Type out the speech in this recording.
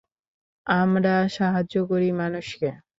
আমরা সাহায্য করি মানুষকে।